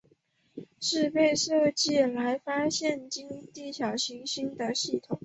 是被设计来发现掠地小行星的系统。